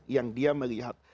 yang dia melihat